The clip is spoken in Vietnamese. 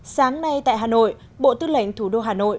sáng nay tại hà nội bộ tư lệnh thủ đô hà nội